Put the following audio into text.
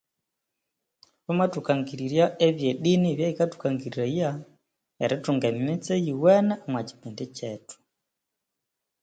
Mwamathukangirirya ebyedini ebyayikatukangiriraya ebyedin neritungav emitse eyuwene omwakipindi kyethu